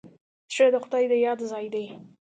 زړه د خدای د یاد ځای دی.